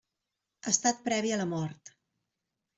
Estat previ a la mort.